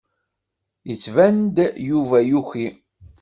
Yettban-d Yuba yuki.